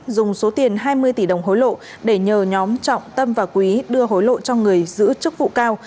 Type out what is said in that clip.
dùng số tiền hai mươi tỷ đồng hối lộ để nhờ nhóm trọng tâm và quý đưa hối lộ cho người giữ chức vụ cao